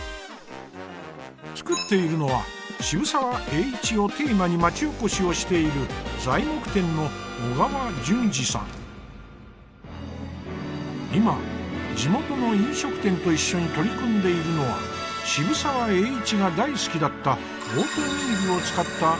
作っているのは渋沢栄一をテーマに町おこしをしている今地元の飲食店と一緒に取り組んでいるのは渋沢栄一が大好きだったオートミールを使ったメニューの開発。